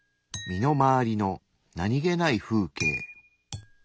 身の回りの何気ない風景。